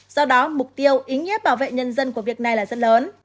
do đó mục tiêu ý nghĩa bảo vệ nhân dân của việc này là rất lớn